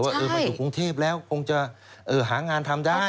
เอ้อมันถูกกุงเทพแล้วคงจะหางานทำได้